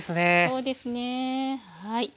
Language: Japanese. そうですねはい。